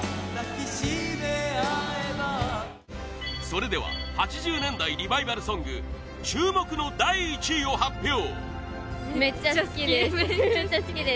それでは８０年代リバイバルソング注目の第１位を発表！